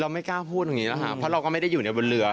เราไม่กล้าพูดอย่างนี้ละเราก็ไม่ได้อยู่บนเรือ